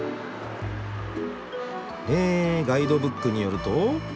えガイドブックによると。